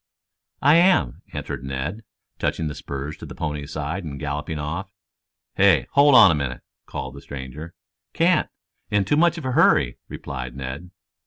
"I am," answered Ned, touching the spurs to the pony's sides and galloping off. "Hey, hold on a minute," called the stranger. "Can't. In too much of a hurry," replied Ned.